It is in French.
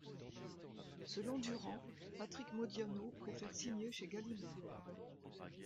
Selon Durand, Patrick Modiano préfère signer chez Gallimard.